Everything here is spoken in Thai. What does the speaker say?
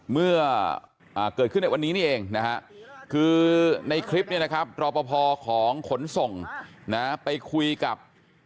เมื่อเกิดขึ้นในวันนี้นี่เองนะฮะคือในคลิปเนี่ยนะครับรอปภของขนส่งนะไปคุยกับ